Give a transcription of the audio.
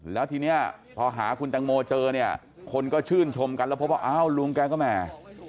แล้วทีนี้พอหาคุณตังโมเจอเนี่ยคนก็ชื่นชมกันแล้วพบว่าอ้าวลุงแกก็แหม